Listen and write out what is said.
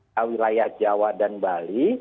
ke wilayah jawa dan bali